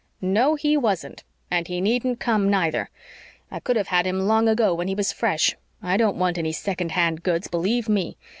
"No, he wasn't. And he needn't come neither. I could have had him long ago when he was fresh. I don't want any second hand goods, believe ME.